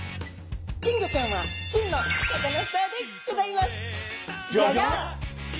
金魚ちゃんは真のサカナスターでギョざいます。